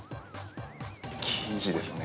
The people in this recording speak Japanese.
◆生地ですね。